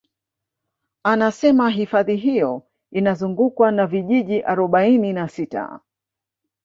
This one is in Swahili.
Anasema hifadhi hiyo inazungukwa na vijiji arobaini na sita